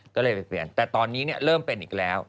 ก็เลยไปเปลี่ยนแต่ตอนนี้เริ่มเป็นอีกแล้ว